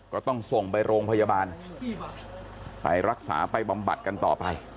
ก็ต้องส่งไปโรงพยาบาลไปรักษาไปบำบัดกันต่อไป